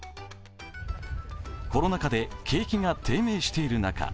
コロナ禍で景気が低迷している中